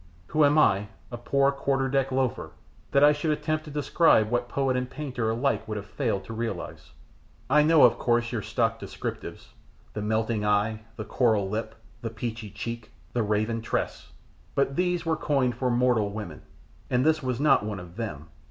Who am I, a poor quarter deck loafer, that I should attempt to describe what poet and painter alike would have failed to realise? I know, of course, your stock descriptives: the melting eye, the coral lip, the peachy cheek, the raven tress; but these were coined for mortal woman and this was not one of them.